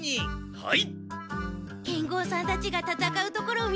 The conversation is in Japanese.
はい！